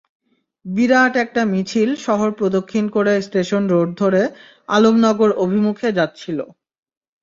বিরাট একটি মিছিল শহর প্রদক্ষিণ করে স্টেশন রোড ধরে আলমনগর অভিমুখে যাচ্ছিল।